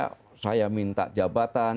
bicaranya saya minta jabatan